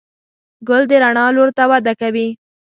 ګل د رڼا لور ته وده کوي.